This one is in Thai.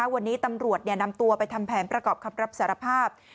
วันนี้ตำรวจนำตัวไปทำแผนประกอบคำรับสารภาพ